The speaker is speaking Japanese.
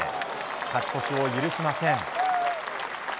勝ち越しを許しません。